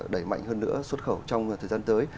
đẩy mạnh hơn nữa xuất khẩu trong thời gian tới